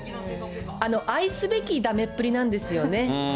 あの、愛すべきだめっぷりなんですよね。